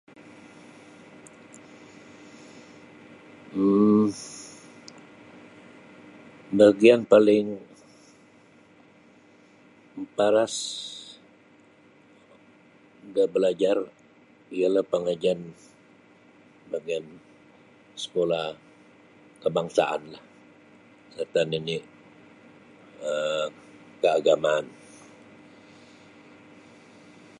um bagian paling maparas da balajar ialah pangajian bagian sekolah kabangsaanlah sarta nini' um kaagamaan.